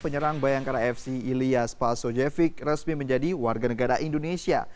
penyerang bayangkara fc ilya spasojevic resmi menjadi warga negara indonesia